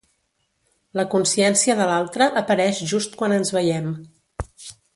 La consciència de l'altre apareix just quan ens veiem.